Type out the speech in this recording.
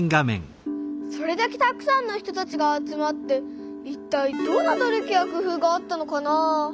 それだけたくさんの人たちが集まっていったいどんな努力や工夫があったのかなあ？